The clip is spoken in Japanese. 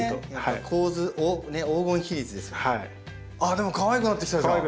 でもかわいくなってきたじゃん！